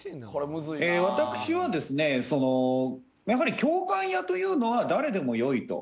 私はですねそのやはり共感屋というのは誰でもよいと。